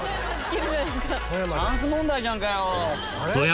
チャンス問題じゃんかよ。